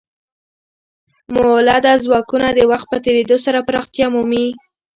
مؤلده ځواکونه د وخت په تیریدو سره پراختیا مومي.